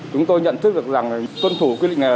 chúng tôi nhận thức được rằng tuân thủ quy định này